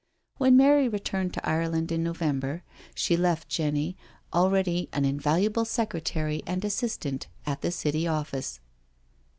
When Mary returned to Ireland in December, she left Jenny, already an invaluable secretary and assis tant, at the city office.